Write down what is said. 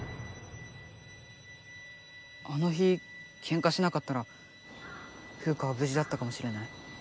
あの日けんかしなかったらフウカは無事だったかもしれない。